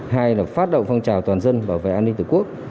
hai là phát động phong trào toàn dân bảo vệ an ninh tử quốc